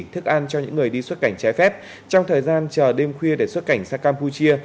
thức ăn cho những người đi xuất cảnh trái phép trong thời gian chờ đêm khuya để xuất cảnh sang campuchia